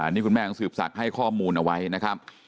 นี่คุณแม่ของสืบศักดิ์ให้ข้อมูลเอาไว้นะครับ